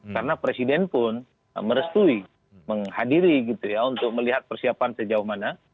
karena presiden pun merestui menghadiri gitu ya untuk melihat persiapan sejauh mana